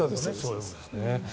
そうです。